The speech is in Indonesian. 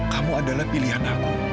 kamu adalah pilihan aku